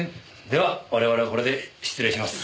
では我々はこれで失礼します。